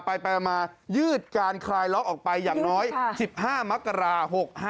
ไปมายืดการคลายล็อกออกไปอย่างน้อย๑๕มกรา๖๕